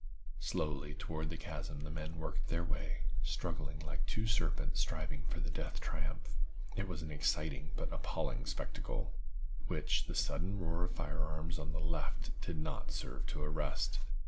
Slowly toward the chasm the men worked their way, struggling like two serpents striving for the death triumph. It was an exciting but appalling spectacle, which the sudden roar of fire arms on the left did not serve to arrest.